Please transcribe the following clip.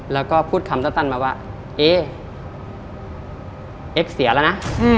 แล้วก็พูดคำสั้นมาว่าเอ๊เอ็กซ์เสียแล้วนะ